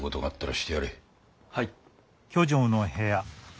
はい。